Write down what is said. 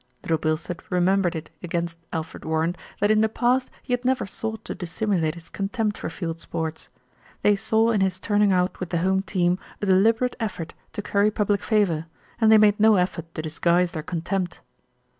Little Bilstead remembered it against Alfred Warren that in the past he had never sought to dissimulate his contempt for field sports. They saw in his turning out with the home team a deliberate effort to curry public favour, and they made no effort to disguise their con tempt.